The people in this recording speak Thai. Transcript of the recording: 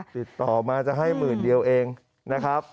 ติดต่อมาจะให้หมื่นเดียวเองนะครับ